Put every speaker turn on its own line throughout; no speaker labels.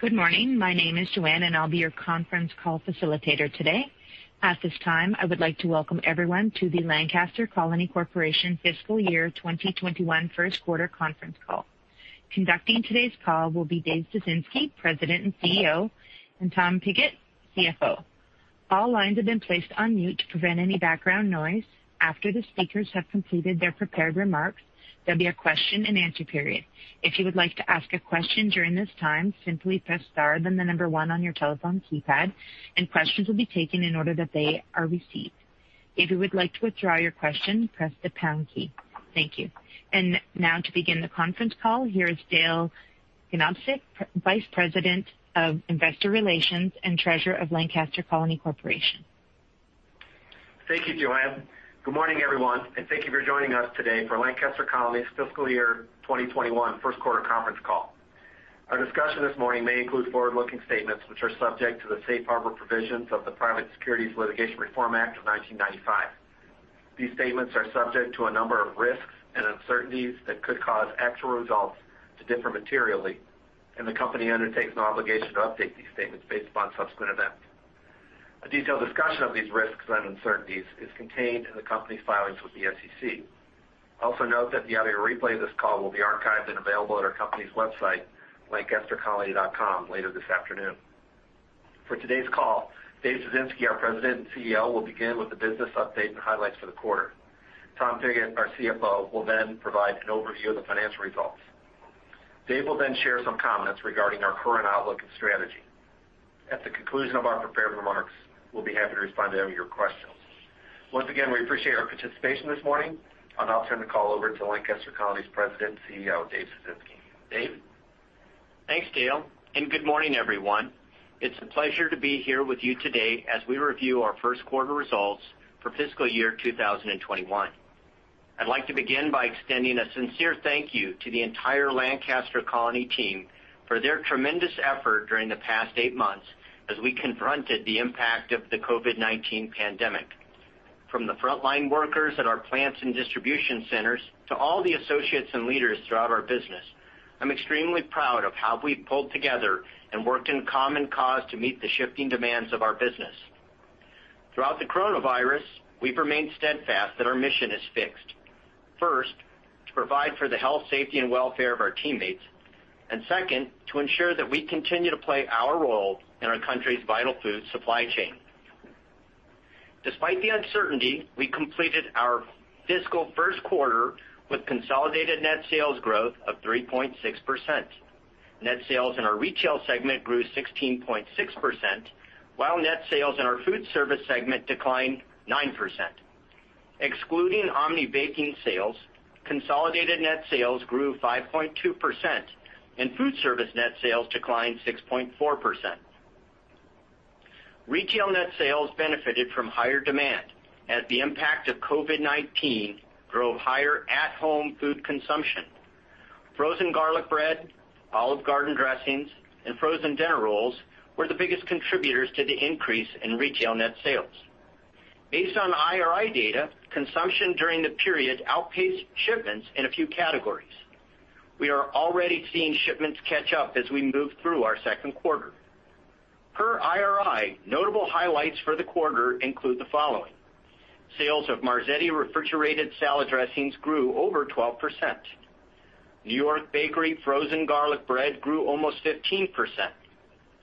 Good morning. My name is Joanne, and I'll be your conference call facilitator today. At this time, I would like to welcome everyone to the Lancaster Colony Corporation Fiscal Year 2021 First Quarter Conference Call. Conducting today's call will be Dave Ciesinski, President and CEO, and Tom Pigott, CFO. All lines have been placed on mute to prevent any background noise. After the speakers have completed their prepared remarks, there'll be a question and answer period. If you would like to ask a question during this time, simply press star then the number one on your telephone keypad, and questions will be taken in order that they are received. If you would like to withdraw your question, press the pound key. Thank you. Now, to begin the conference call, here is Dale Ganobsik, Vice President of Investor Relations and Treasurer of Lancaster Colony Corporation.
Thank you, Joanne. Good morning, everyone, and thank you for joining us today for Lancaster Colony's Fiscal Year 2021 First Quarter Conference Call. Our discussion this morning may include forward-looking statements which are subject to the safe harbor provisions of the Private Securities Litigation Reform Act of 1995. These statements are subject to a number of risks and uncertainties that could cause actual results to differ materially, and the company undertakes an obligation to update these statements based upon subsequent events. A detailed discussion of these risks and uncertainties is contained in the company's filings with the SEC. Also note that the audio replay of this call will be archived and available at our company's website, lancastercolony.com, later this afternoon. For today's call, Dave Ciesinski, our President and CEO, will begin with the business update and highlights for the quarter. Tom Pickett, our CFO, will then provide an overview of the financial results. Dave will then share some comments regarding our current outlook and strategy. At the conclusion of our prepared remarks, we'll be happy to respond to any of your questions. Once again, we appreciate your participation this morning, and I'll turn the call over to Lancaster Colony's President and CEO, Dave Ciesinski. Dave?
Thanks, Dale, and good morning, everyone. It's a pleasure to be here with you today as we review our first quarter results for Fiscal Year 2021. I'd like to begin by extending a sincere thank you to the entire Lancaster Colony team for their tremendous effort during the past eight months as we confronted the impact of the COVID-19 pandemic. From the frontline workers at our plants and distribution centers to all the associates and leaders throughout our business, I'm extremely proud of how we've pulled together and worked in common cause to meet the shifting demands of our business. Throughout the coronavirus, we've remained steadfast that our mission is fixed. First, to provide for the health, safety, and welfare of our teammates, and second, to ensure that we continue to play our role in our country's vital food supply chain. Despite the uncertainty, we completed our fiscal first quarter with consolidated net sales growth of 3.6%. Net sales in our retail segment grew 16.6%, while net sales in our food service segment declined 9%. Excluding Omni Baking sales, consolidated net sales grew 5.2%, and food service net sales declined 6.4%. Retail net sales benefited from higher demand, as the impact of COVID-19 drove higher at-home food consumption. Frozen garlic bread, Olive Garden dressings, and frozen dinner rolls were the biggest contributors to the increase in retail net sales. Based on IRI data, consumption during the period outpaced shipments in a few categories. We are already seeing shipments catch up as we move through our second quarter. Per IRI, notable highlights for the quarter include the following: sales of Marzetti refrigerated salad dressings grew over 12%. New York Bakery frozen garlic bread grew almost 15%.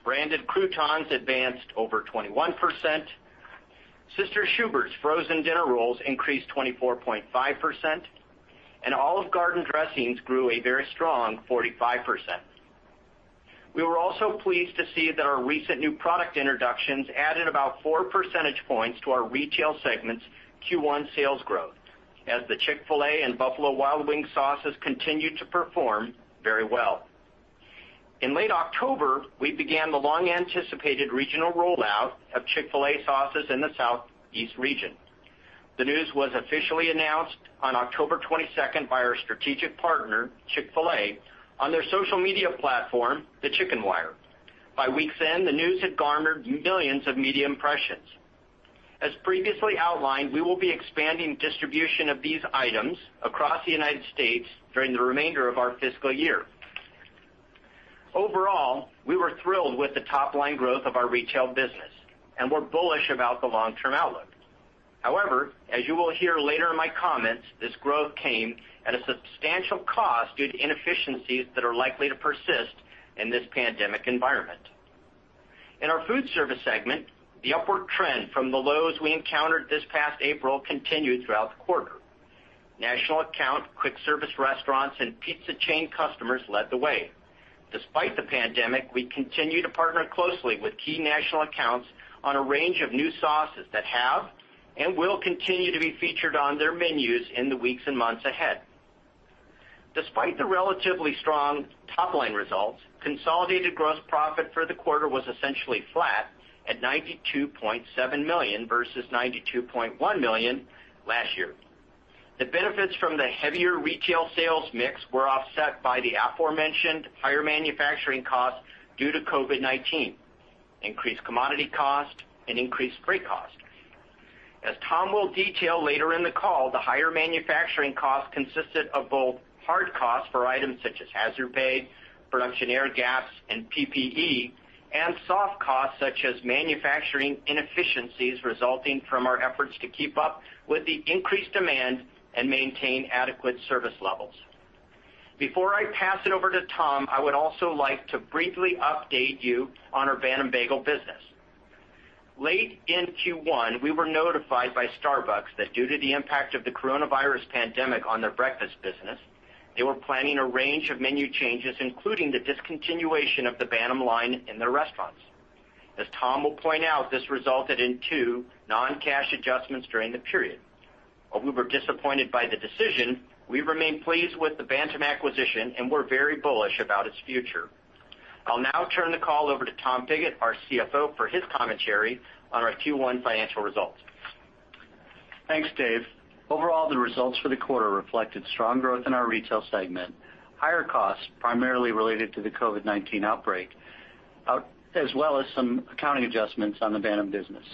Branded croutons advanced over 21%. Sister Schubert's frozen dinner rolls increased 24.5%, and Olive Garden dressings grew a very strong 45%. We were also pleased to see that our recent new product introductions added about four percentage points to our retail segment's Q1 sales growth, as the Chick-fil-A and Buffalo Wild Wings sauces continued to perform very well. In late October, we began the long-anticipated regional rollout of Chick-fil-A sauces in the Southeast region. The news was officially announced on October 22 by our strategic partner, Chick-fil-A, on their social media platform, The Chicken Wire. By week's end, the news had garnered millions of media impressions. As previously outlined, we will be expanding distribution of these items across the United States during the remainder of our fiscal year. Overall, we were thrilled with the top-line growth of our retail business and were bullish about the long-term outlook. However, as you will hear later in my comments, this growth came at a substantial cost due to inefficiencies that are likely to persist in this pandemic environment. In our food service segment, the upward trend from the lows we encountered this past April continued throughout the quarter. National account, quick service restaurants, and pizza chain customers led the way. Despite the pandemic, we continue to partner closely with key national accounts on a range of new sauces that have and will continue to be featured on their menus in the weeks and months ahead. Despite the relatively strong top-line results, consolidated gross profit for the quarter was essentially flat at $92.7 million versus $92.1 million last year. The benefits from the heavier retail sales mix were offset by the aforementioned higher manufacturing costs due to COVID-19, increased commodity costs, and increased freight costs. As Tom will detail later in the call, the higher manufacturing costs consisted of both hard costs for items such as hazard pays, production error gaps and PPE, and soft costs such as manufacturing inefficiencies resulting from our efforts to keep up with the increased demand and maintain adequate service levels. Before I pass it over to Tom, I would also like to briefly update you on our Bantam Bagels business. Late in Q1, we were notified by Starbucks that due to the impact of the COVID-19 pandemic on their breakfast business, they were planning a range of menu changes, including the discontinuation of the Bantam line in their restaurants. As Tom will point out, this resulted in two non-cash adjustments during the period. While we were disappointed by the decision, we remained pleased with the Bantam acquisition and were very bullish about its future. I'll now turn the call over to Tom Pigott, our CFO, for his commentary on our Q1 financial results.
Thanks, Dave. Overall, the results for the quarter reflected strong growth in our retail segment, higher costs primarily related to the COVID-19 outbreak, as well as some accounting adjustments on the Bantam Bagels business.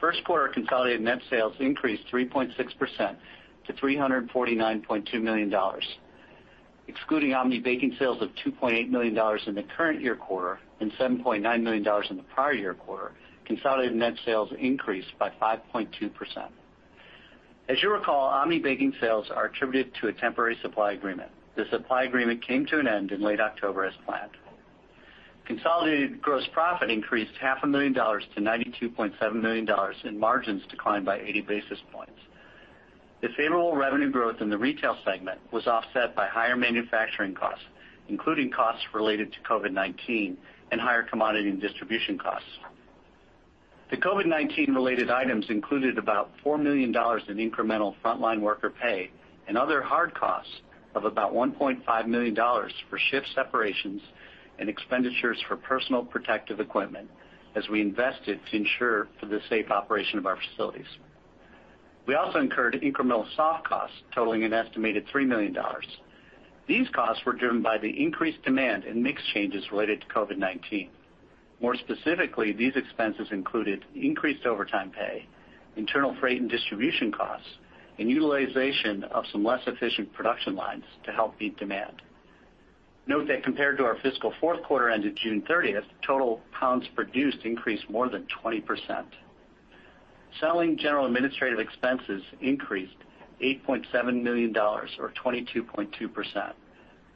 First quarter consolidated net sales increased 3.6% to $349.2 million. Excluding Omni Baking sales of $2.8 million in the current year quarter and $7.9 million in the prior year quarter, consolidated net sales increased by 5.2%. As you recall, Omni Baking sales are attributed to a temporary supply agreement. The supply agreement came to an end in late October as planned. Consolidated gross profit increased $500,000 to $92.7 million and margins declined by 80 basis points. The favorable revenue growth in the retail segment was offset by higher manufacturing costs, including costs related to COVID-19 and higher commodity and distribution costs. The COVID-19 related items included about $4 million in incremental frontline worker pay and other hard costs of about $1.5 million for shift separations and expenditures for personal protective equipment as we invested to ensure for the safe operation of our facilities. We also incurred incremental soft costs totaling an estimated $3 million. These costs were driven by the increased demand and mixed changes related to COVID-19. More specifically, these expenses included increased overtime pay, internal freight and distribution costs, and utilization of some less efficient production lines to help meet demand. Note that compared to our fiscal fourth quarter ended June 30, total pounds produced increased more than 20%. Selling general administrative expenses increased $8.7 million or 22.2%.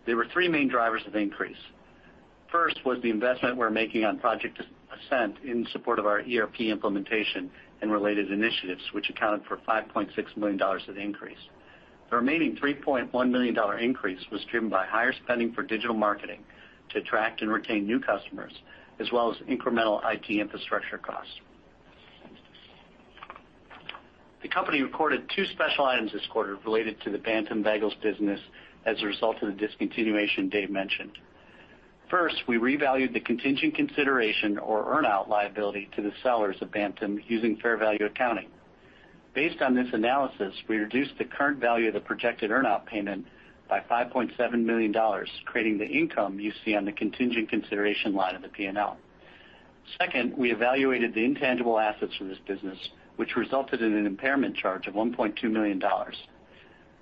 There were three main drivers of increase. First was the investment we're making on Project Ascent in support of our ERP implementation and related initiatives, which accounted for $5.6 million of the increase. The remaining $3.1 million increase was driven by higher spending for digital marketing to attract and retain new customers, as well as incremental IT infrastructure costs. The company recorded two special items this quarter related to the Bantam Bagels business as a result of the discontinuation Dave mentioned. First, we revalued the contingent consideration or earn-out liability to the sellers of Bantam using fair value accounting. Based on this analysis, we reduced the current value of the projected earn-out payment by $5.7 million, creating the income you see on the contingent consideration line of the P&L. Second, we evaluated the intangible assets for this business, which resulted in an impairment charge of $1.2 million.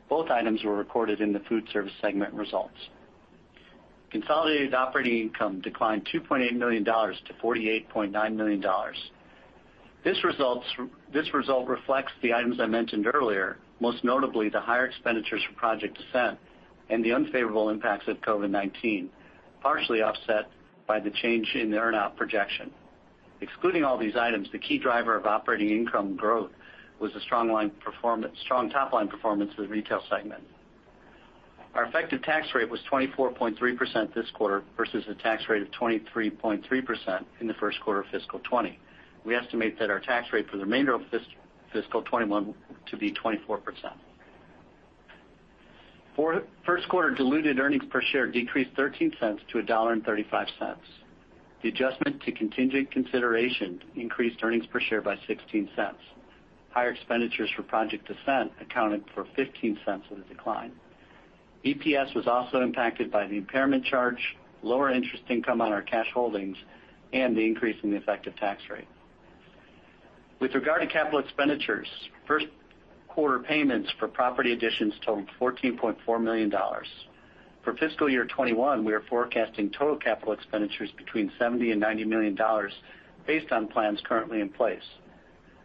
Both items were recorded in the food service segment results. Consolidated operating income declined $2.8 million to $48.9 million. This result reflects the items I mentioned earlier, most notably the higher expenditures for Project Ascent and the unfavorable impacts of COVID-19, partially offset by the change in the earn-out projection. Excluding all these items, the key driver of operating income growth was a strong top-line performance for the retail segment. Our effective tax rate was 24.3% this quarter versus a tax rate of 23.3% in the first quarter of fiscal 2020. We estimate that our tax rate for the remainder of fiscal 2021 to be 24%. First quarter diluted earnings per share decreased $0.13 to $1.35. The adjustment to contingent consideration increased earnings per share by $0.16. Higher expenditures for Project Ascent accounted for $0.15 of the decline. EPS was also impacted by the impairment charge, lower interest income on our cash holdings, and the increase in the effective tax rate. With regard to capital expenditures, first quarter payments for property additions totaled $14.4 million. For fiscal year 2021, we are forecasting total capital expenditures between $70 million and $90 million based on plans currently in place.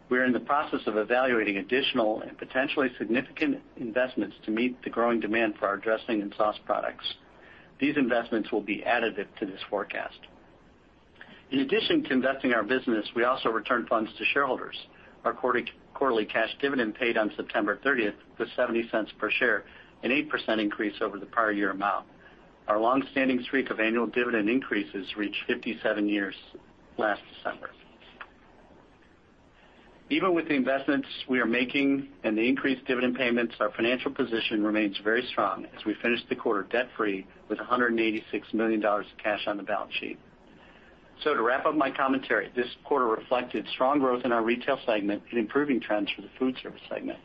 We are in the process of evaluating additional and potentially significant investments to meet the growing demand for our dressing and sauce products. These investments will be additive to this forecast. In addition to investing in our business, we also returned funds to shareholders. Our quarterly cash dividend paid on September 30 was $0.70 per share, an 8% increase over the prior year amount. Our long-standing streak of annual dividend increases reached 57 years last December. Even with the investments we are making and the increased dividend payments, our financial position remains very strong as we finished the quarter debt-free with $186 million of cash on the balance sheet. To wrap up my commentary, this quarter reflected strong growth in our retail segment and improving trends for the food service segment.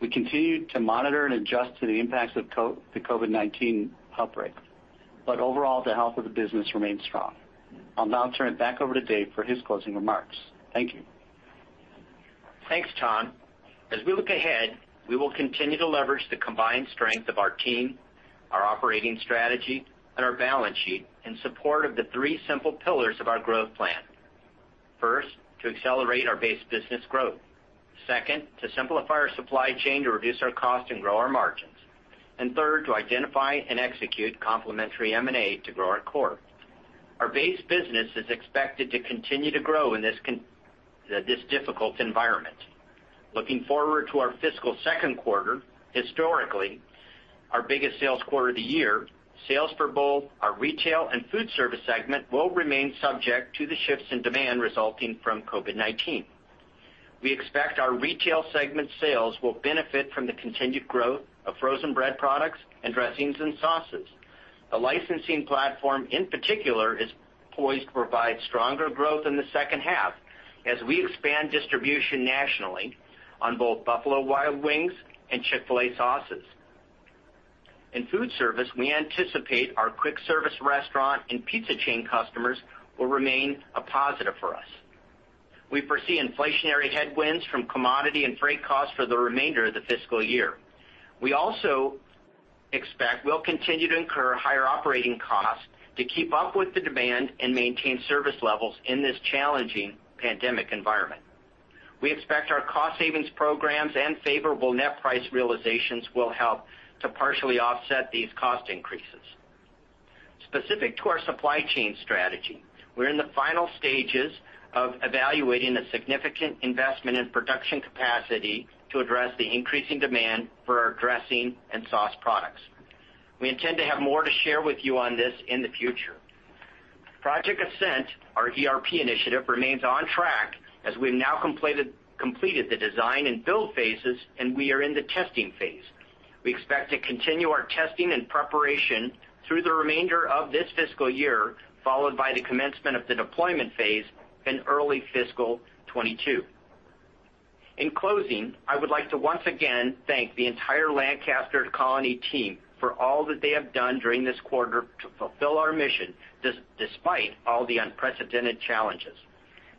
We continued to monitor and adjust to the impacts of the COVID-19 outbreak, but overall, the health of the business remained strong. I'll now turn it back over to Dave for his closing remarks. Thank you.
Thanks, Tom. As we look ahead, we will continue to leverage the combined strength of our team, our operating strategy, and our balance sheet in support of the three simple pillars of our growth plan. First, to accelerate our base business growth. Second, to simplify our supply chain to reduce our cost and grow our margins. Third, to identify and execute complementary M&A to grow our core. Our base business is expected to continue to grow in this difficult environment. Looking forward to our fiscal second quarter, historically our biggest sales quarter of the year, sales for both our retail and food service segment will remain subject to the shifts in demand resulting from COVID-19. We expect our retail segment sales will benefit from the continued growth of frozen bread products and dressings and sauces. The licensing platform in particular is poised to provide stronger growth in the second half as we expand distribution nationally on both Buffalo Wild Wings and Chick-fil-A sauces. In food service, we anticipate our quick service restaurant and pizza chain customers will remain a positive for us. We foresee inflationary headwinds from commodity and freight costs for the remainder of the fiscal year. We also expect we'll continue to incur higher operating costs to keep up with the demand and maintain service levels in this challenging pandemic environment. We expect our cost savings programs and favorable net price realizations will help to partially offset these cost increases. Specific to our supply chain strategy, we're in the final stages of evaluating a significant investment in production capacity to address the increasing demand for our dressing and sauce products. We intend to have more to share with you on this in the future. Project Ascent, our ERP initiative, remains on track as we've now completed the design and build phases, and we are in the testing phase. We expect to continue our testing and preparation through the remainder of this fiscal year, followed by the commencement of the deployment phase in early fiscal 2022. In closing, I would like to once again thank the entire Lancaster Colony team for all that they have done during this quarter to fulfill our mission despite all the unprecedented challenges.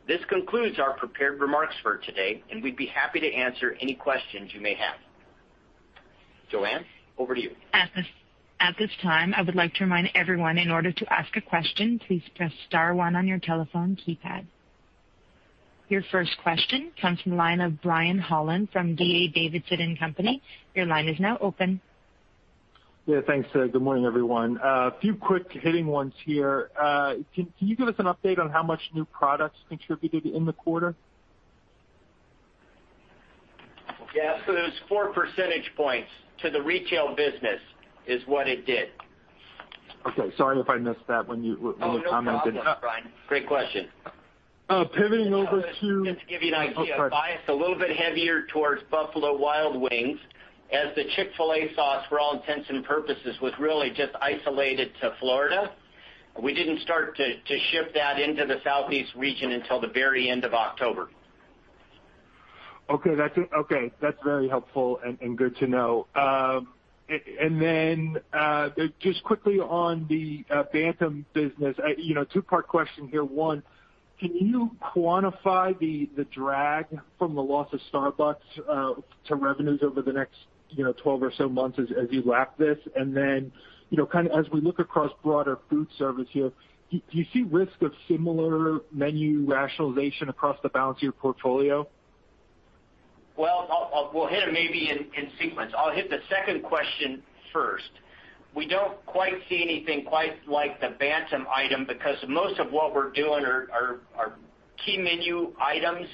This concludes our prepared remarks for today, and we'd be happy to answer any questions you may have. Joanne, over to you.
At this time, I would like to remind everyone in order to ask a question, please press star one on your telephone keypad. Your first question comes from the line of Brian Holland from D.A. Davidson and Company. Your line is now open.
Yeah, thanks. Good morning, everyone. A few quick hitting ones here. Can you give us an update on how much new products contributed in the quarter?
Yes, it was four percentage points to the retail business is what it did.
Okay, sorry if I missed that when you commented on that.
No, Brian. Great question.
Pivoting over to.
It's giving an idea of bias a little bit heavier towards Buffalo Wild Wings as the Chick-fil-A sauce, for all intents and purposes, was really just isolated to Florida. We didn't start to ship that into the Southeast region until the very end of October.
Okay, that's very helpful and good to know. Just quickly on the Bantam business, two-part question here. One, can you quantify the drag from the loss of Starbucks to revenues over the next 12 or so months as you wrap this? As we look across broader food service here, do you see risk of similar menu rationalization across the balance of your portfolio?
We'll hit it maybe in sequence. I'll hit the second question first. We don't quite see anything quite like the Bantam item because most of what we're doing are key menu items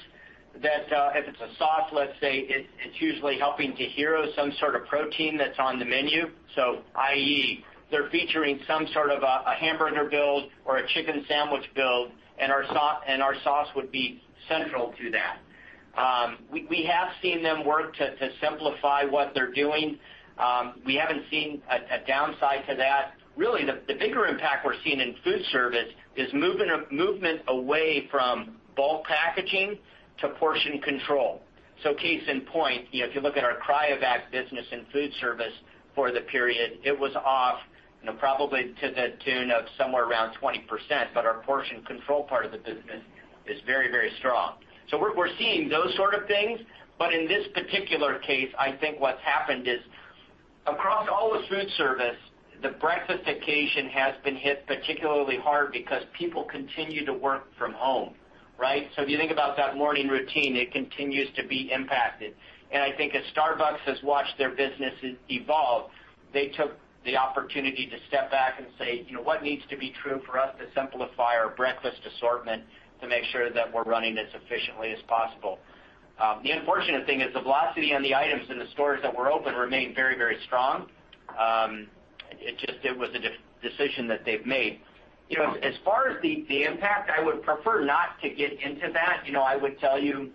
that if it's a sauce, let's say, it's usually helping to hero some sort of protein that's on the menu. So i.e., they're featuring some sort of a hamburger build or a chicken sandwich build, and our sauce would be central to that. We have seen them work to simplify what they're doing. We haven't seen a downside to that. Really, the bigger impact we're seeing in food service is movement away from bulk packaging to portion control. Case in point, if you look at our Cryovac business in food service for the period, it was off probably to the tune of somewhere around 20%, but our portion control part of the business is very, very strong. We are seeing those sort of things, but in this particular case, I think what has happened is across all the food service, the breakfast occasion has been hit particularly hard because people continue to work from home. If you think about that morning routine, it continues to be impacted. I think as Starbucks has watched their business evolve, they took the opportunity to step back and say, "What needs to be true for us to simplify our breakfast assortment to make sure that we are running as efficiently as possible?" The unfortunate thing is the velocity on the items in the stores that were open remained very, very strong. It just was a decision that they've made. As far as the impact, I would prefer not to get into that. I would tell you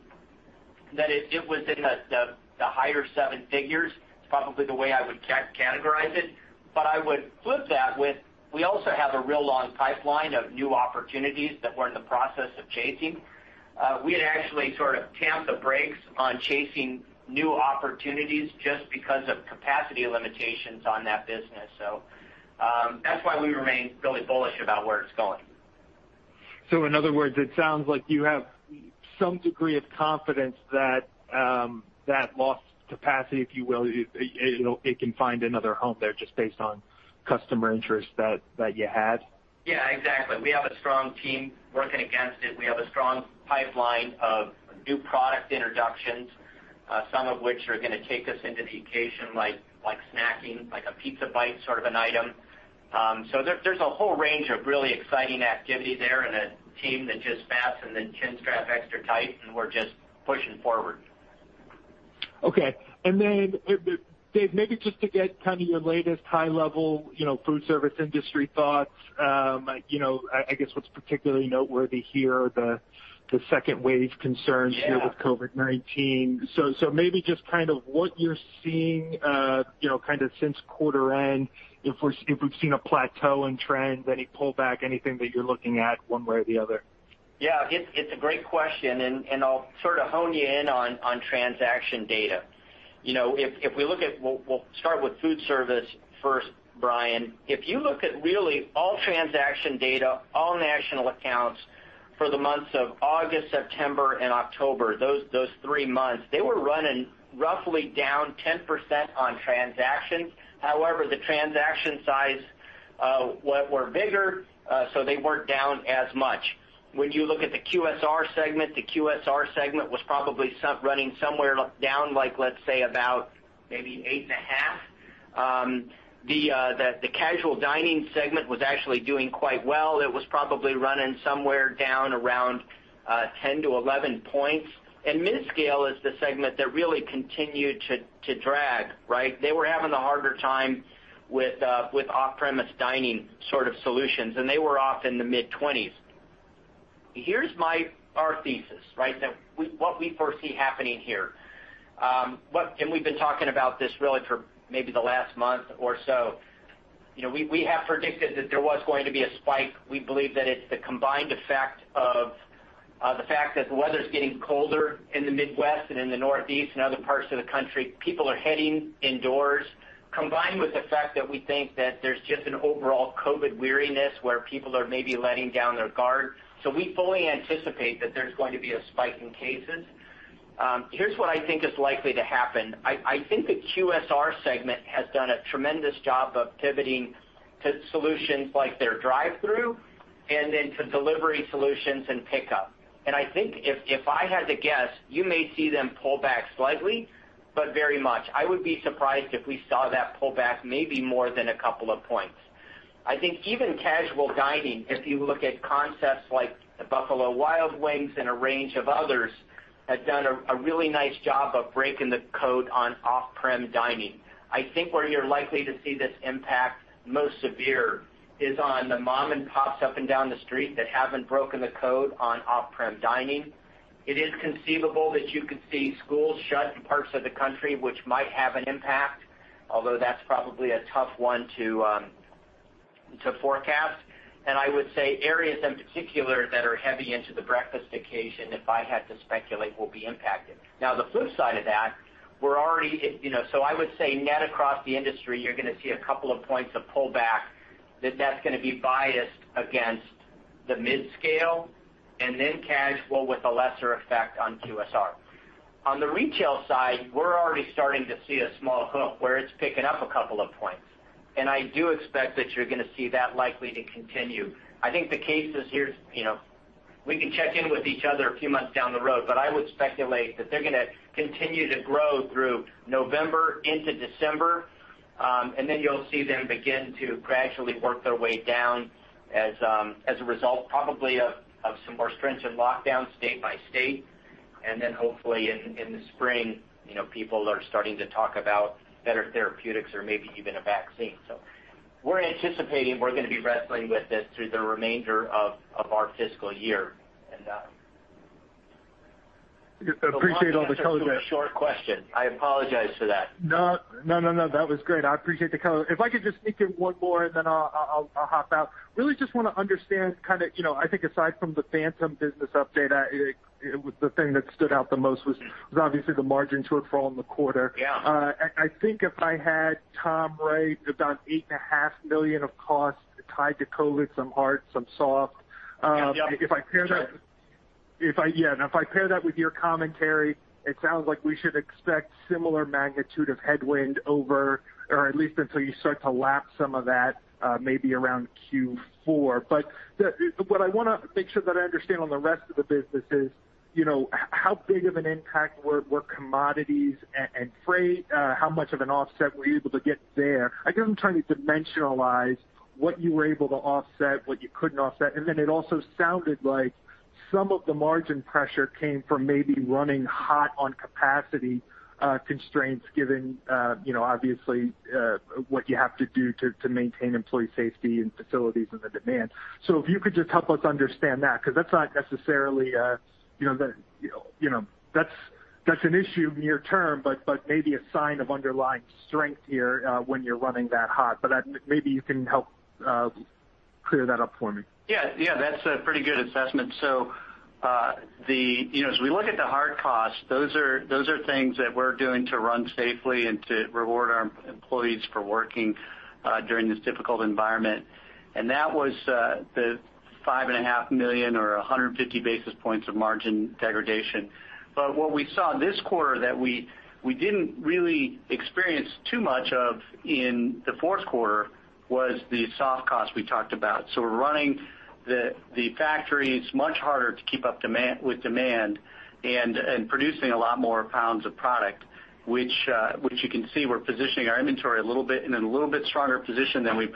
that it was in the higher seven figures. It's probably the way I would categorize it. I would flip that with we also have a real long pipeline of new opportunities that we're in the process of chasing. We had actually sort of tamped the brakes on chasing new opportunities just because of capacity limitations on that business. That is why we remain really bullish about where it's going.
In other words, it sounds like you have some degree of confidence that that lost capacity, if you will, it can find another home there just based on customer interest that you had?
Yeah, exactly. We have a strong team working against it. We have a strong pipeline of new product introductions, some of which are going to take us into the occasion like snacking, like a pizza bite sort of an item. There is a whole range of really exciting activity there and a team that just fastens the chin strap extra tight, and we're just pushing forward.
Okay. Dave, maybe just to get kind of your latest high-level food service industry thoughts, I guess what's particularly noteworthy here are the second wave concerns with COVID-19. Maybe just kind of what you're seeing kind of since quarter end, if we've seen a plateau in trends, any pullback, anything that you're looking at one way or the other?
Yeah, it's a great question, and I'll sort of hone you in on transaction data. If we look at, we'll start with food service first, Brian. If you look at really all transaction data, all national accounts for the months of August, September, and October, those three months, they were running roughly down 10% on transactions. However, the transaction size were bigger, so they weren't down as much. When you look at the QSR segment, the QSR segment was probably running somewhere down like, let's say, about maybe 8.5%. The casual dining segment was actually doing quite well. It was probably running somewhere down around 10-11 points. And mid-scale is the segment that really continued to drag. They were having a harder time with off-premise dining sort of solutions, and they were off in the mid-20s. Here's our thesis that what we foresee happening here. We have been talking about this really for maybe the last month or so. We have predicted that there was going to be a spike. We believe that it is the combined effect of the fact that the weather is getting colder in the Midwest and in the Northeast and other parts of the country. People are heading indoors, combined with the fact that we think that there is just an overall COVID weariness where people are maybe letting down their guard. We fully anticipate that there is going to be a spike in cases. Here is what I think is likely to happen. I think the QSR segment has done a tremendous job of pivoting to solutions like their drive-through and then to delivery solutions and pickup. I think if I had to guess, you may see them pull back slightly, but very much. I would be surprised if we saw that pull back maybe more than a couple of points. I think even casual dining, if you look at concepts like Buffalo Wild Wings and a range of others, have done a really nice job of breaking the code on off-prem dining. I think where you're likely to see this impact most severe is on the mom and pops up and down the street that haven't broken the code on off-prem dining. It is conceivable that you could see schools shut in parts of the country, which might have an impact, although that's probably a tough one to forecast. I would say areas in particular that are heavy into the breakfast occasion, if I had to speculate, will be impacted. Now, the flip side of that, we're already, so I would say net across the industry, you're going to see a couple of points of pullback that that's going to be biased against the mid-scale and then casual with a lesser effect on QSR. On the retail side, we're already starting to see a small hook where it's picking up a couple of points. I do expect that you're going to see that likely to continue. I think the case is here's we can check in with each other a few months down the road, but I would speculate that they're going to continue to grow through November into December, and then you'll see them begin to gradually work their way down as a result probably of some more stringent lockdowns state by state. Hopefully in the spring, people are starting to talk about better therapeutics or maybe even a vaccine. We are anticipating we are going to be wrestling with this through the remainder of our fiscal year.
Appreciate all the colors.
That was a short question. I apologize for that.
No, no, no, no. That was great. I appreciate the color. If I could just sneak in one more and then I'll hop out. Really just want to understand kind of I think aside from the Bantam business update, the thing that stood out the most was obviously the margins were falling the quarter. I think if I had Tom right, about $8.5 million of costs tied to COVID, some hard, some soft. If I pair that yeah, and if I pair that with your commentary, it sounds like we should expect similar magnitude of headwind over or at least until you start to lap some of that maybe around Q4. What I want to make sure that I understand on the rest of the business is how big of an impact were commodities and freight? How much of an offset were you able to get there? I guess I'm trying to dimensionalize what you were able to offset, what you couldn't offset. It also sounded like some of the margin pressure came from maybe running hot on capacity constraints, given obviously what you have to do to maintain employee safety and facilities and the demand. If you could just help us understand that, because that's not necessarily an issue near term, but maybe a sign of underlying strength here when you're running that hot. Maybe you can help clear that up for me.
Yeah, yeah, that's a pretty good assessment. As we look at the hard costs, those are things that we're doing to run safely and to reward our employees for working during this difficult environment. That was the $5.5 million or 150 basis points of margin degradation. What we saw this quarter that we did not really experience too much of in the fourth quarter was the soft costs we talked about. We're running the factories much harder to keep up with demand and producing a lot more pounds of product, which you can see. We're positioning our inventory in a little bit stronger position than we've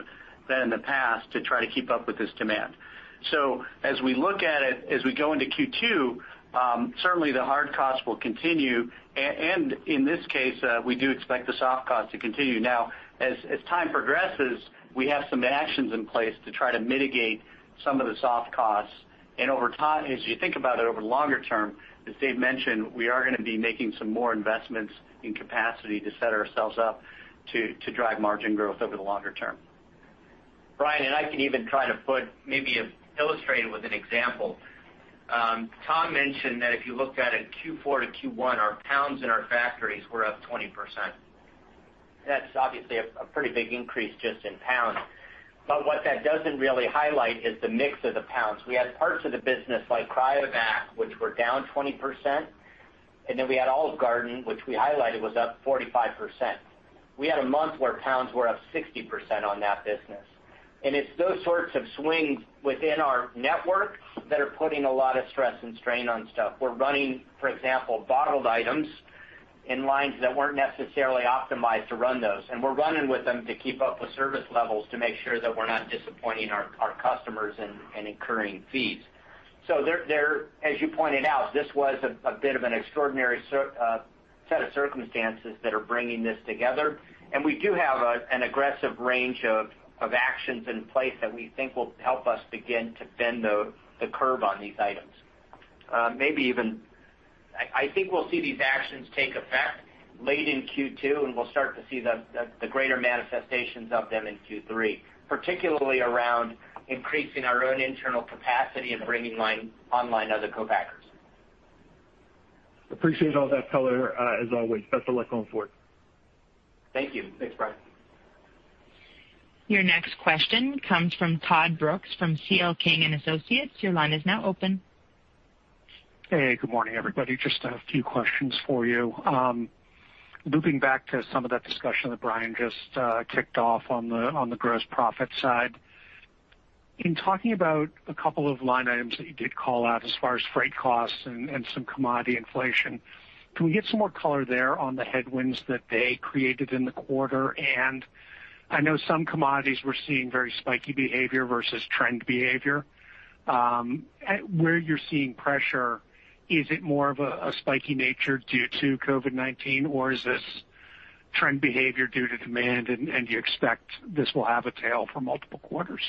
been in the past to try to keep up with this demand. As we look at it, as we go into Q2, certainly the hard costs will continue. In this case, we do expect the soft costs to continue. Now, as time progresses, we have some actions in place to try to mitigate some of the soft costs. As you think about it over the longer term, as Dave mentioned, we are going to be making some more investments in capacity to set ourselves up to drive margin growth over the longer term.
Brian, I can even try to maybe illustrate it with an example. Tom mentioned that if you looked at it, Q4 to Q1, our pounds in our factories were up 20%. That is obviously a pretty big increase just in pounds. What that does not really highlight is the mix of the pounds. We had parts of the business like cryovac, which were down 20%. We had Olive Garden, which we highlighted was up 45%. We had a month where pounds were up 60% on that business. It is those sorts of swings within our network that are putting a lot of stress and strain on stuff. We're running, for example, bottled items in lines that were not necessarily optimized to run those. We're running with them to keep up with service levels to make sure that we're not disappointing our customers and incurring fees. As you pointed out, this was a bit of an extraordinary set of circumstances that are bringing this together. We do have an aggressive range of actions in place that we think will help us begin to bend the curve on these items. Maybe even I think we'll see these actions take effect late in Q2, and we'll start to see the greater manifestations of them in Q3, particularly around increasing our own internal capacity and bringing online other co-packers.
Appreciate all that color, as always. Best of luck going forward.
Thank you.
Thanks, Brian.
Your next question comes from Todd Brooks from C.L. King and Associates. Your line is now open.
Hey, good morning, everybody. Just a few questions for you. Looping back to some of that discussion that Brian just kicked off on the gross profit side, in talking about a couple of line items that you did call out as far as freight costs and some commodity inflation, can we get some more color there on the headwinds that they created in the quarter? I know some commodities were seeing very spiky behavior versus trend behavior. Where you're seeing pressure, is it more of a spiky nature due to COVID-19, or is this trend behavior due to demand, and you expect this will have a tail for multiple quarters?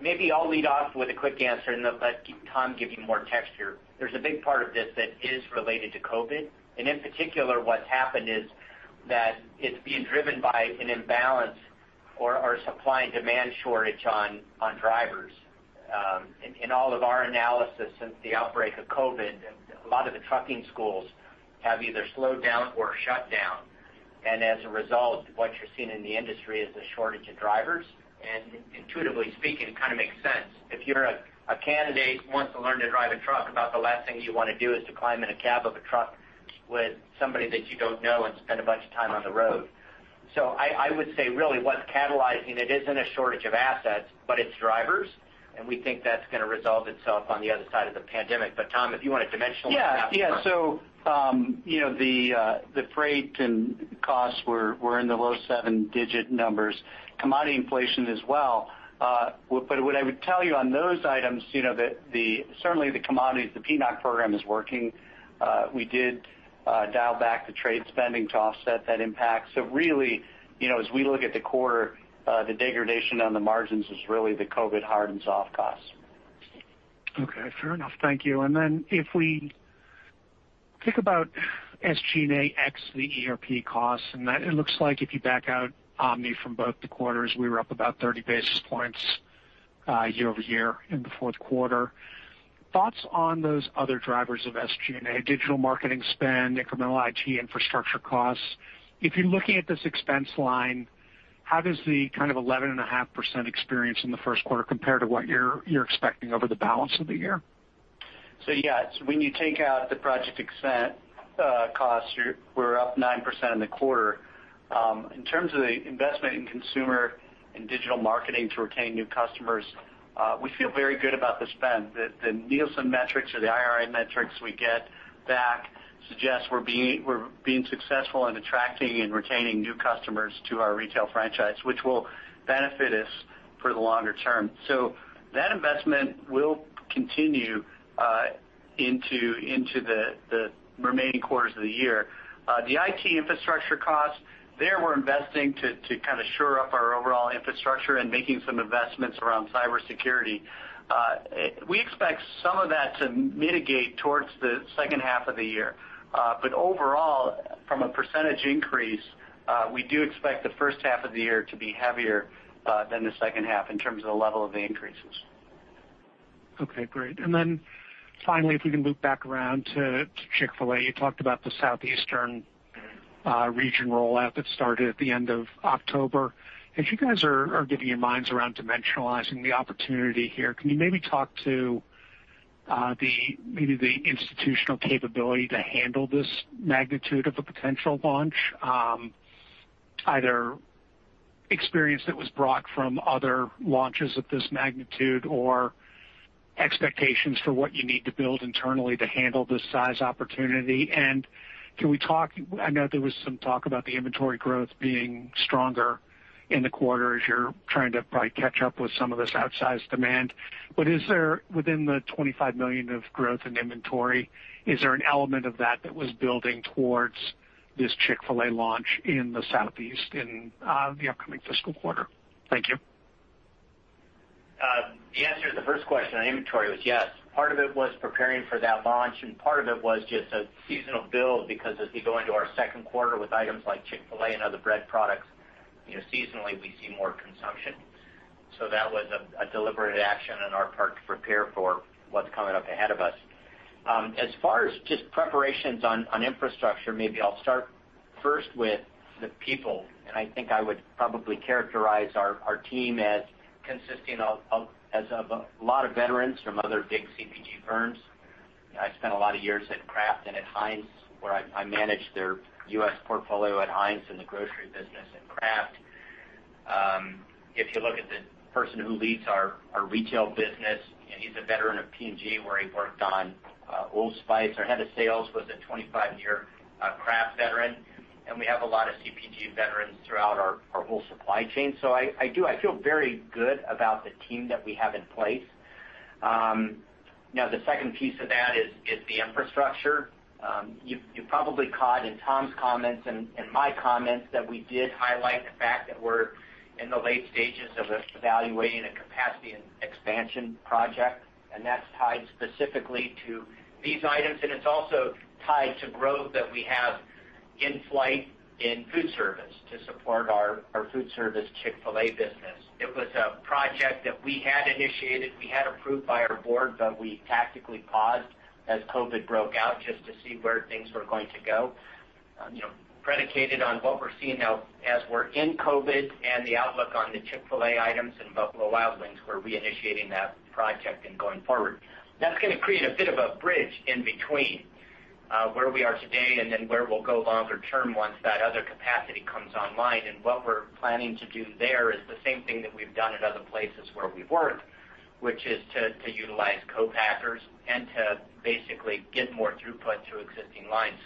Maybe I'll lead off with a quick answer, and let Tom give you more texture. There's a big part of this that is related to COVID. In particular, what's happened is that it's being driven by an imbalance or supply and demand shortage on drivers. In all of our analysis since the outbreak of COVID, a lot of the trucking schools have either slowed down or shut down. As a result, what you're seeing in the industry is a shortage of drivers. Intuitively speaking, it kind of makes sense. If you're a candidate who wants to learn to drive a truck, about the last thing you want to do is to climb in a cab of a truck with somebody that you don't know and spend a bunch of time on the road. I would say really what's catalyzing, and it isn't a shortage of assets, but it's drivers. We think that's going to resolve itself on the other side of the pandemic. Tom, if you want to dimensionalize that.
Yeah, yeah. The freight and costs were in the low seven-digit numbers. Commodity inflation as well. What I would tell you on those items, certainly the commodities, the PNOC program is working. We did dial back the trade spending to offset that impact. Really, as we look at the quarter, the degradation on the margins is really the COVID hard and soft costs.
Okay. Fair enough. Thank you. If we think about SG&A X, the ERP costs, and it looks like if you back out Omni from both the quarters, we were up about 30 basis points year over year in the fourth quarter. Thoughts on those other drivers of SG&A? Digital marketing spend, incremental IT infrastructure costs. If you're looking at this expense line, how does the kind of 11.5% experience in the first quarter compare to what you're expecting over the balance of the year?
Yeah, when you take out the project expense costs, we're up 9% in the quarter. In terms of the investment in consumer and digital marketing to retain new customers, we feel very good about the spend. The Nielsen metrics or the IRI metrics we get back suggest we're being successful in attracting and retaining new customers to our retail franchise, which will benefit us for the longer term. That investment will continue into the remaining quarters of the year. The IT infrastructure costs, there we're investing to kind of shore up our overall infrastructure and making some investments around cybersecurity. We expect some of that to mitigate towards the second half of the year. Overall, from a percentage increase, we do expect the first half of the year to be heavier than the second half in terms of the level of the increases.
Okay, great. Finally, if we can loop back around to Chick-fil-A, you talked about the southeastern region rollout that started at the end of October. As you guys are getting your minds around dimensionalizing the opportunity here, can you maybe talk to maybe the institutional capability to handle this magnitude of a potential launch? Either experience that was brought from other launches of this magnitude or expectations for what you need to build internally to handle this size opportunity. Can we talk, I know there was some talk about the inventory growth being stronger in the quarter as you're trying to probably catch up with some of this outsized demand. Within the $25 million of growth in inventory, is there an element of that that was building towards this Chick-fil-A launch in the southeast in the upcoming fiscal quarter? Thank you.
The answer to the first question on inventory was yes. Part of it was preparing for that launch, and part of it was just a seasonal build because as we go into our second quarter with items like Chick-fil-A and other bread products, seasonally we see more consumption. That was a deliberate action on our part to prepare for what's coming up ahead of us. As far as just preparations on infrastructure, maybe I'll start first with the people. I think I would probably characterize our team as consisting of a lot of veterans from other big CPG firms. I spent a lot of years at Kraft and at Heinz, where I managed their US portfolio at Heinz and the grocery business at Kraft. If you look at the person who leads our retail business, he's a veteran of P&G where he worked on Old Spice. Our head of sales was a 25-year Kraft veteran. We have a lot of CPG veterans throughout our whole supply chain. I feel very good about the team that we have in place. The second piece of that is the infrastructure. You probably caught in Tom's comments and my comments that we did highlight the fact that we're in the late stages of evaluating a capacity and expansion project. That is tied specifically to these items. It is also tied to growth that we have in flight in food service to support our food service Chick-fil-A business. It was a project that we had initiated. We had approved by our board, but we tactically paused as COVID broke out just to see where things were going to go. Predicated on what we're seeing now as we're in COVID and the outlook on the Chick-fil-A items and Buffalo Wild Wings, we're reinitiating that project and going forward. That's going to create a bit of a bridge in between where we are today and then where we'll go longer term once that other capacity comes online. What we're planning to do there is the same thing that we've done at other places where we've worked, which is to utilize co-packers and to basically give more throughput to existing lines.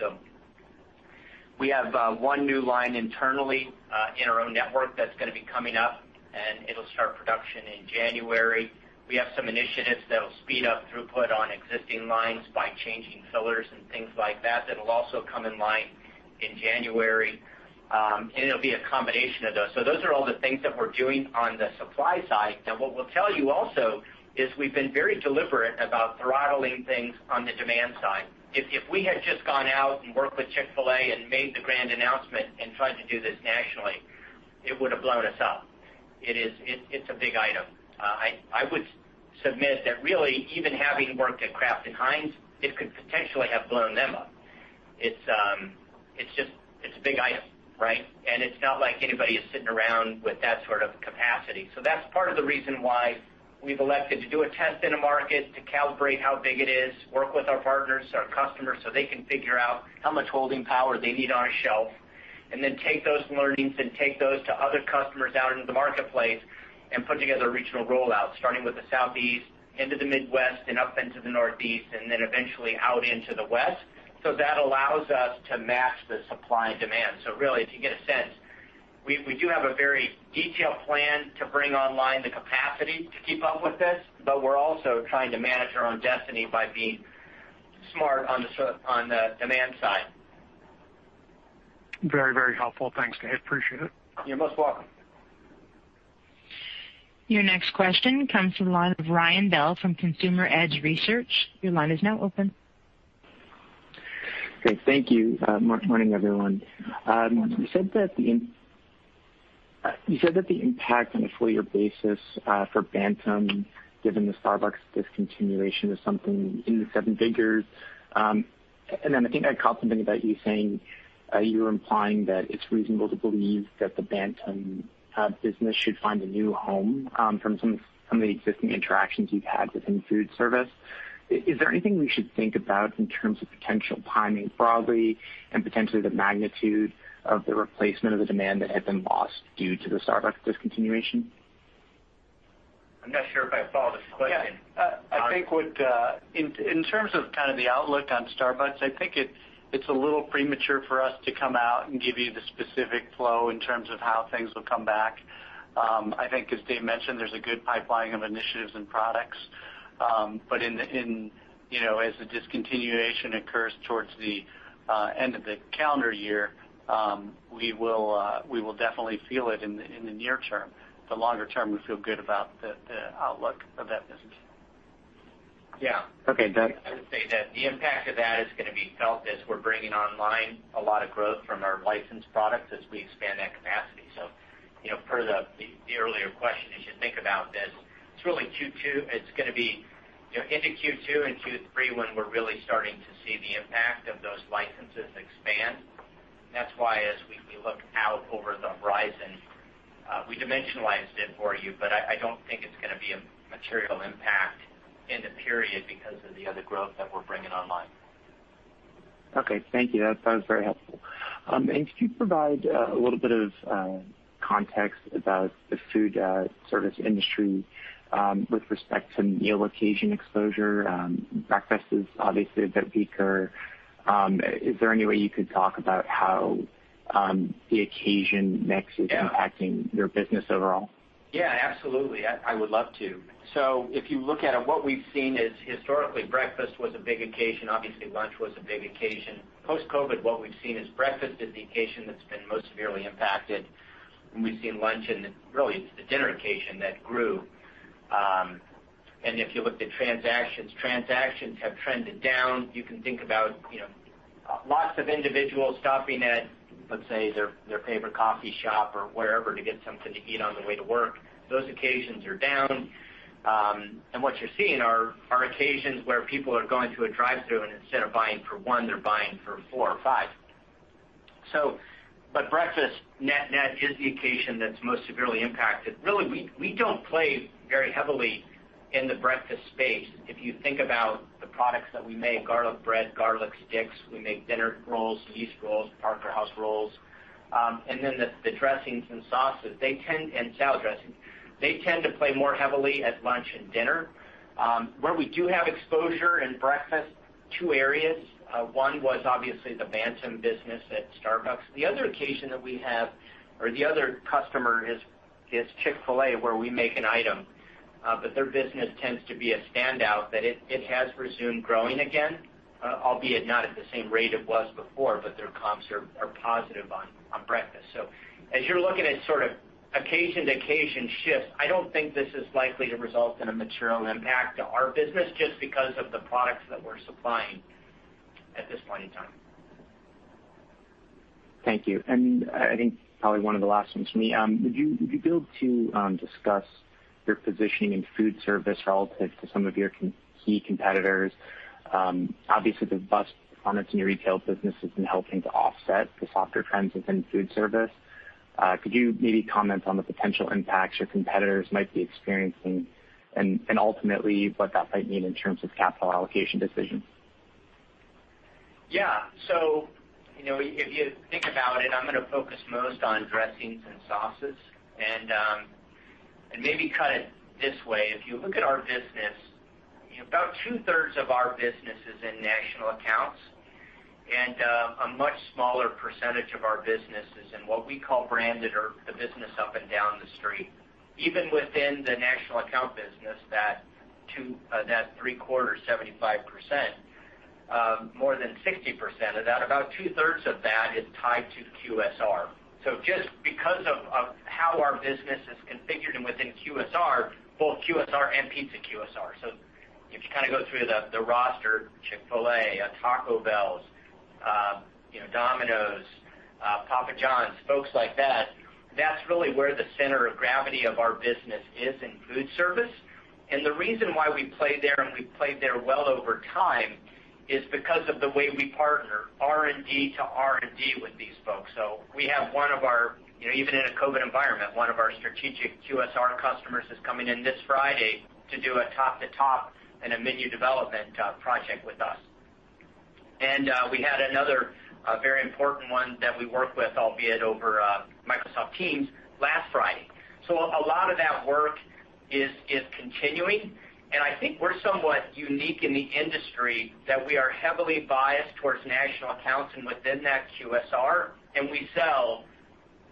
We have one new line internally in our own network that's going to be coming up, and it'll start production in January. We have some initiatives that will speed up throughput on existing lines by changing fillers and things like that. That'll also come in line in January. It'll be a combination of those. Those are all the things that we're doing on the supply side. Now, what we'll tell you also is we've been very deliberate about throttling things on the demand side. If we had just gone out and worked with Chick-fil-A and made the grand announcement and tried to do this nationally, it would have blown us up. It's a big item. I would submit that really, even having worked at Kraft and Heinz, it could potentially have blown them up. It's a big item, right? It's not like anybody is sitting around with that sort of capacity. That's part of the reason why we've elected to do a test in a market to calibrate how big it is, work with our partners, our customers so they can figure out how much holding power they need on a shelf, and then take those learnings and take those to other customers out in the marketplace and put together regional rollouts, starting with the Southeast, into the Midwest, and up into the Northeast, and then eventually out into the West. That allows us to match the supply and demand. Really, if you get a sense, we do have a very detailed plan to bring online the capacity to keep up with this, but we're also trying to manage our own destiny by being smart on the demand side.
Very, very helpful. Thanks, Dave. Appreciate it.
You're most welcome.
Your next question comes from the line of Ryan Bell from Consumer Edge Research. Your line is now open.
Okay. Thank you. Morning, everyone. You said that the impact on a four-year basis for Bantam, given the Starbucks discontinuation, is something in the seven figures. I think I caught something about you saying you were implying that it's reasonable to believe that the Bantam business should find a new home from some of the existing interactions you've had within food service. Is there anything we should think about in terms of potential timing broadly and potentially the magnitude of the replacement of the demand that had been lost due to the Starbucks discontinuation?
I'm not sure if I followed this question.
Yeah. I think in terms of kind of the outlook on Starbucks, I think it's a little premature for us to come out and give you the specific flow in terms of how things will come back. I think, as Dave mentioned, there's a good pipeline of initiatives and products. As the discontinuation occurs towards the end of the calendar year, we will definitely feel it in the near term. The longer term, we feel good about the outlook of that business.
Yeah.
Okay.
I would say that the impact of that is going to be felt as we're bringing online a lot of growth from our licensed products as we expand that capacity. For the earlier question, you should think about this. It's really Q2. It's going to be into Q2 and Q3 when we're really starting to see the impact of those licenses expand. That's why as we look out over the horizon, we dimensionalized it for you, but I don't think it's going to be a material impact in the period because of the other growth that we're bringing online.
Okay. Thank you. That sounds very helpful. Could you provide a little bit of context about the food service industry with respect to neo-location exposure? Breakfast is obviously a bit weaker. Is there any way you could talk about how the occasion next is impacting your business overall?
Yeah, absolutely. I would love to. If you look at it, what we've seen is historically breakfast was a big occasion. Obviously, lunch was a big occasion. Post-COVID, what we've seen is breakfast is the occasion that's been most severely impacted. We've seen lunch and really it's the dinner occasion that grew. If you look at transactions, transactions have trended down. You can think about lots of individuals stopping at, let's say, their favorite coffee shop or wherever to get something to eat on the way to work. Those occasions are down. What you're seeing are occasions where people are going to a drive-thru, and instead of buying for one, they're buying for four or five. Breakfast net is the occasion that's most severely impacted. Really, we don't play very heavily in the breakfast space. If you think about the products that we make, garlic bread, garlic sticks, we make dinner rolls, yeast rolls, Parker House rolls. The dressings and sauces and salad dressings, they tend to play more heavily at lunch and dinner. Where we do have exposure in breakfast, two areas. One was obviously the Bantam business at Starbucks. The other occasion that we have or the other customer is Chick-fil-A, where we make an item. Their business tends to be a standout that it has resumed growing again, albeit not at the same rate it was before, but their comps are positive on breakfast. As you're looking at sort of occasion to occasion shift, I do not think this is likely to result in a material impact to our business just because of the products that we're supplying at this point in time.
Thank you. I think probably one of the last ones for me. Would you be able to discuss your positioning in food service relative to some of your key competitors? Obviously, the bus components in your retail business have been helping to offset the softer trends within food service. Could you maybe comment on the potential impacts your competitors might be experiencing and ultimately what that might mean in terms of capital allocation decision?
Yeah. If you think about it, I'm going to focus most on dressings and sauces. Maybe cut it this way. If you look at our business, about two-thirds of our business is in national accounts, and a much smaller percentage of our business is in what we call branded or the business up and down the street. Even within the national account business, that three-quarters, 75%, more than 60% of that, about two-thirds of that is tied to QSR. Just because of how our business is configured and within QSR, both QSR and Pizza QSR. If you kind of go through the roster, Chick-fil-A, Taco Bells, Domino's, Papa John's, folks like that, that's really where the center of gravity of our business is in food service. The reason why we play there and we played there well over time is because of the way we partner R&D to R&D with these folks. We have one of our, even in a COVID environment, one of our strategic QSR customers coming in this Friday to do a top-to-top and a menu development project with us. We had another very important one that we worked with, albeit over Microsoft Teams, last Friday. A lot of that work is continuing. I think we are somewhat unique in the industry that we are heavily biased towards national accounts and within that QSR, and we sell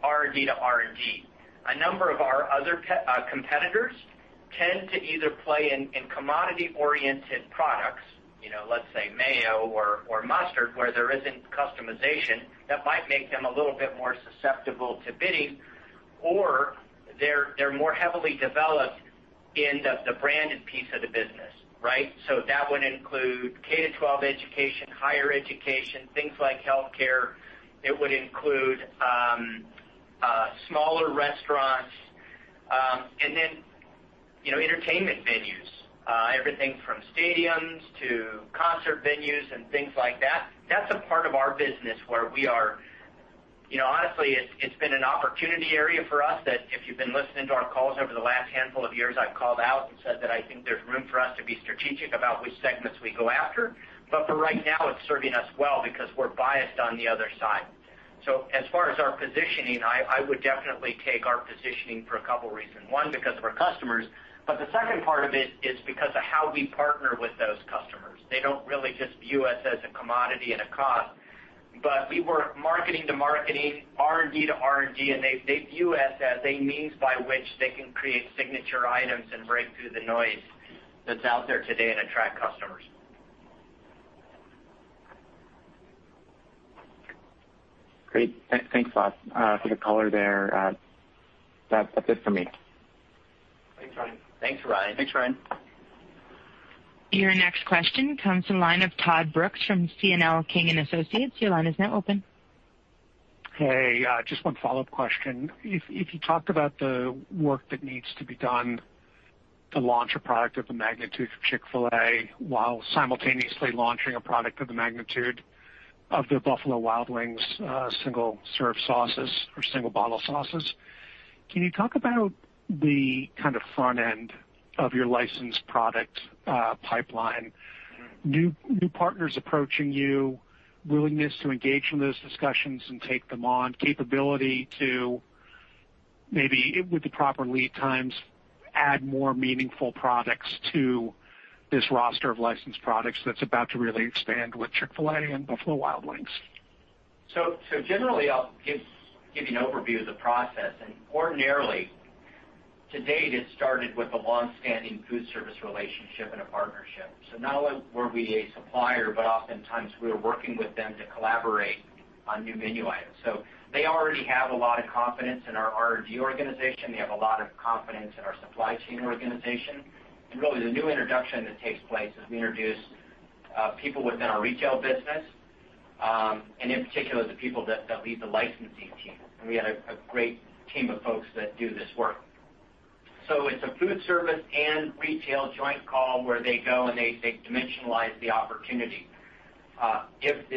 R&D to R&D. A number of our other competitors tend to either play in commodity-oriented products, let's say mayo or mustard, where there isn't customization that might make them a little bit more susceptible to bidding, or they're more heavily developed in the branded piece of the business, right? That would include K-12 education, higher education, things like healthcare. It would include smaller restaurants. Entertainment venues, everything from stadiums to concert venues and things like that. That's a part of our business where we are honestly, it's been an opportunity area for us that if you've been listening to our calls over the last handful of years, I've called out and said that I think there's room for us to be strategic about which segments we go after. For right now, it's serving us well because we're biased on the other side. As far as our positioning, I would definitely take our positioning for a couple of reasons. One, because we're customers. The second part of it is because of how we partner with those customers. They do not really just view us as a commodity and a comp. We work marketing to marketing, R&D to R&D, and they view us as a means by which they can create signature items and break through the noise that is out there today and attract customers.
Great. Thanks, Bob, for the color there. That's it for me.
Thanks, Ryan.
Thanks, Ryan.
Your next question comes in line of Todd Brooks from CL King and Associates. Your line is now open.
Hey, just one follow-up question. If you talked about the work that needs to be done to launch a product of the magnitude of Chick-fil-A while simultaneously launching a product of the magnitude of their Buffalo Wild Wings single-serve sauces or single-bottle sauces, can you talk about the kind of front-end of your licensed product pipeline? New partners approaching you, willingness to engage in those discussions and take them on, capability to maybe, with the proper lead times, add more meaningful products to this roster of licensed products that's about to really expand with Chick-fil-A and Buffalo Wild Wings?
Generally, just giving an overview of the process, and ordinarily, to date, it started with a long-standing food service relationship and a partnership. Not only were we a supplier, but oftentimes we were working with them to collaborate on new menu items. They already have a lot of confidence in our R&D organization. They have a lot of confidence in our supply chain organization. Really, the new introduction that takes place is we introduce people within our retail business, and in particular, the people that lead the licensing team. We had a great team of folks that do this work. It is a food service and retail joint call where they go and they dimensionalize the opportunity. If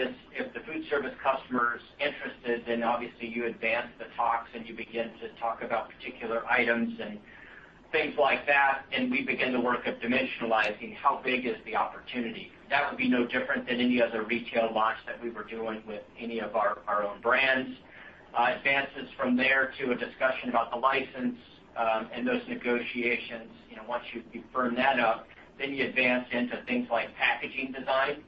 the food service customer's interested, then obviously you advance the talks and you begin to talk about particular items and things like that, and we begin to work at dimensionalizing how big is the opportunity. That would be no different than any other retail launch that we were doing with any of our own brands. Advances from there to a discussion about the license and those negotiations. Once you burn that up, you advance into things like packaging design.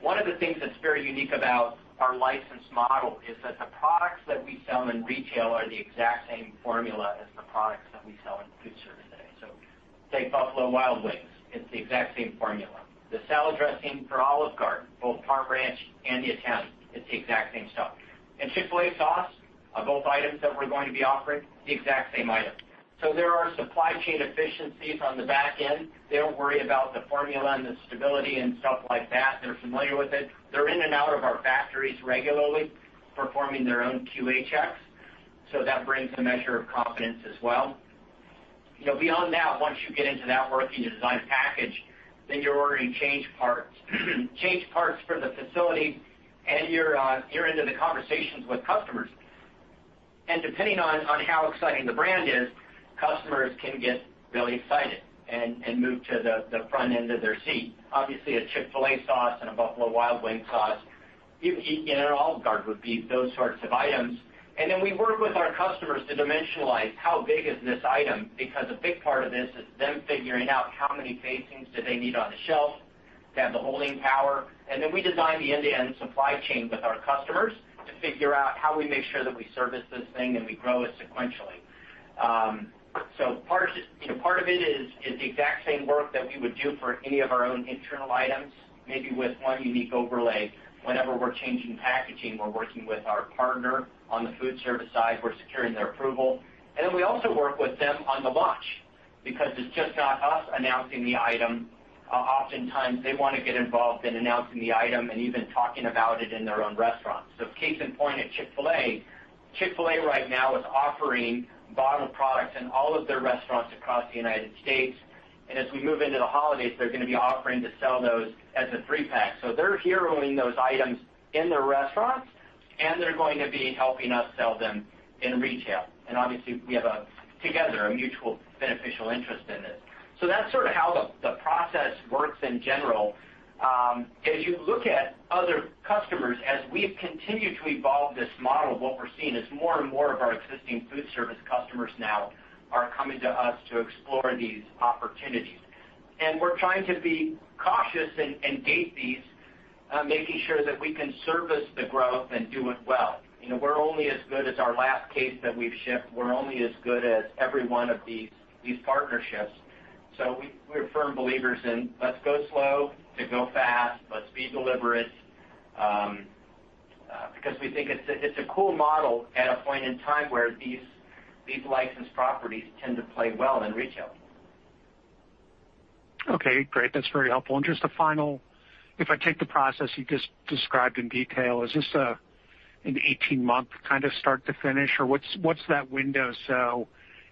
One of the things that's very unique about our license model is that the products that we sell in retail are the exact same formula as the products that we sell in food service today. Say Buffalo Wild Wings, it's the exact same formula. The salad dressing for Olive Garden, both Parker Ranch and the Italian, it's the exact same stuff. Chick-fil-A sauce, both items that we're going to be offering, the exact same item. There are supply chain efficiencies on the back end. They're worried about the formula and the stability and stuff like that. They're familiar with it. They're in and out of our factories regularly, performing their own QHX. That brings a measure of confidence as well. Beyond that, once you get into that work and you design package, then you're ordering change parts. Change parts for the facilities, and you're into the conversations with customers. Depending on how exciting the brand is, customers can get really excited and move to the front end of their seat. Obviously, a Chick-fil-A sauce and a Buffalo Wild Wings sauce, Olive Garden would be those sorts of items. We work with our customers to dimensionalize how big is this item because a big part of this is them figuring out how many tastings do they need on the shelf to have the holding power. We design the end-to-end supply chain with our customers to figure out how we make sure that we service this thing and we grow it sequentially. Part of it is the exact same work that we would do for any of our own internal items, maybe with one unique overlay. Whenever we're changing packaging, we're working with our partner on the food service side. We're securing their approval. We also work with them on the launch because it's just not us announcing the item. Oftentimes, they want to get involved in announcing the item and even talking about it in their own restaurants. Case in point at Chick-fil-A, Chick-fil-A right now is offering bottled products in all of their restaurants across the United States. As we move into the holidays, they're going to be offering to sell those as a three-pack. They're heroing those items in their restaurants, and they're going to be helping us sell them in retail. Obviously, we have together a mutual beneficial interest in this. That's sort of how the process works in general. As you look at other customers, as we've continued to evolve this model, what we're seeing is more and more of our existing food service customers now are coming to us to explore these opportunities. We're trying to be cautious and gauge these, making sure that we can service the growth and do it well. We're only as good as our last case that we've shipped. We're only as good as every one of these partnerships. We're firm believers in let's go slow, let's go fast, let's be deliberate because we think it's a cool model at a point in time where these licensed properties tend to play well in retail.
Okay. Great. That's very helpful. Just a final, if I take the process you just described in detail, is this an 18-month kind of start to finish? What's that window?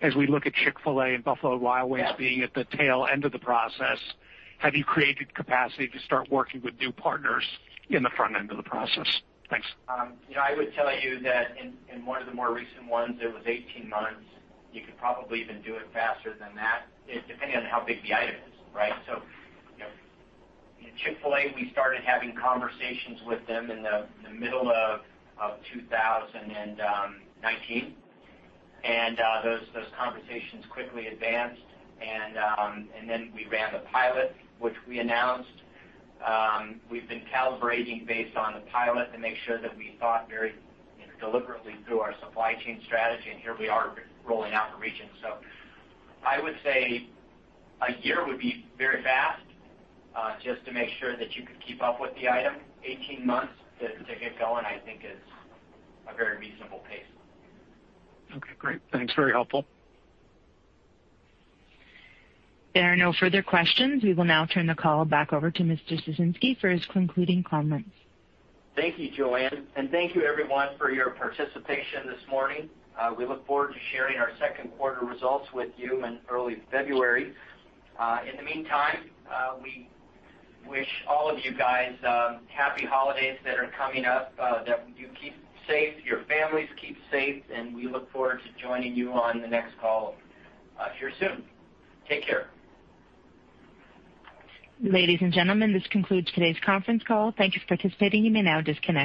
As we look at Chick-fil-A and Buffalo Wild Wings being at the tail end of the process, have you created capacity to start working with new partners in the front end of the process? Thanks.
I would tell you that in one of the more recent ones, it was 18 months. You could probably even do it faster than that, depending on how big the item is, right? Chick-fil-A, we started having conversations with them in the middle of 2019. Those conversations quickly advanced. We ran the pilot, which we announced. We've been calibrating based on the pilot to make sure that we thought very deliberately through our supply chain strategy, and here we are rolling out the region. I would say a year would be very fast just to make sure that you could keep up with the item. Eighteen months to get going, I think, is a very reasonable pace.
Okay. Great. Thanks. Very helpful.
There are no further questions. We will now turn the call back over to Mr. Ciesinski for his concluding comments.
Thank you, Joanne. Thank you, everyone, for your participation this morning. We look forward to sharing our second quarter results with you in early February. In the meantime, we wish all of you guys happy holidays that are coming up, that you keep safe, your families keep safe, and we look forward to joining you on the next call here soon. Take care.
Ladies and gentlemen, this concludes today's conference call. Thank you for participating. You may now disconnect.